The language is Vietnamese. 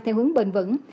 theo hướng bền vững